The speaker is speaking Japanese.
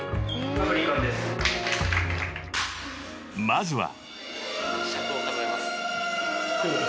［まずは］